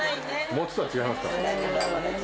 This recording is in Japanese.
餅とは違いますか。